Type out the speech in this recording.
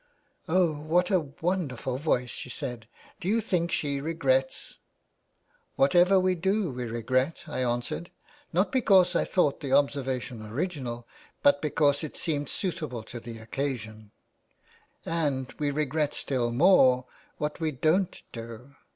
* Oh, what a wonderful voice,' she said, ' do you think she regrets }'' Whatever we do we regret,' I answered, not because I thought the observation original, but because it seemed suitable to the occasion ;' and we regret still more what we don't do.'